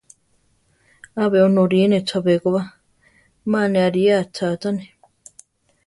Abe onorine chabé ko ba, ma ne arí achachane.